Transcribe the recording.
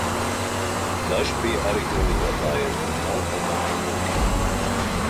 Daži bija arī no lidotājiem un autotanku pulkiem.